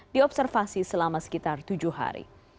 diobservasi selama sekitar tujuh hari